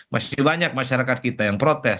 masih banyak masyarakat kita yang protes